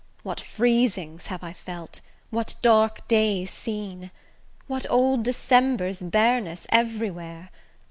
What freezings have I felt, what dark days seen! What old December's bareness everywhere!